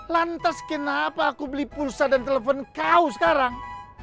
lantas kenapa aku beli pulsa dan telepon kau sekarang